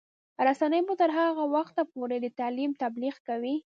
رسنۍ به تر هغه وخته پورې د تعلیم تبلیغ کوي.